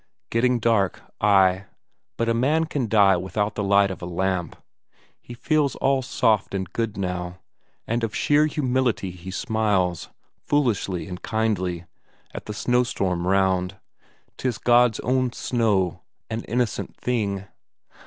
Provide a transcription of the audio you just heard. Getting dark, ay; but a man can die without the light of a lamp. He feels all soft and good now, and of sheer humility he smiles, foolishly and kindly, at the snowstorm round; 'tis God's own snow, an innocent thing!